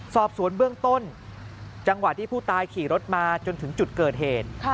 สอบสวนเบื้องต้นจังหวะที่ผู้ตายขี่รถมาจนถึงจุดเกิดเหตุ